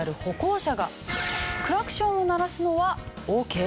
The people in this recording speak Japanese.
クラクションを鳴らすのはオーケー？